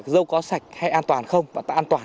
dâu có sạch hay an toàn không và ta an toàn